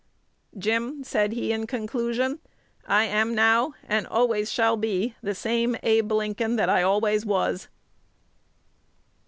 "Jim," said he, in conclusion, "I am now, and always shall be, the same Abe Lincoln that I always was."